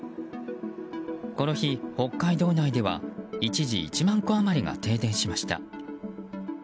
この日、北海道内では一時、１万戸余りが停電しました。